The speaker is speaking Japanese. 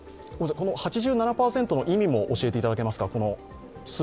８７％の意味も教えていただけますか。